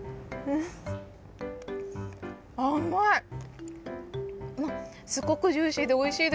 うん、甘い！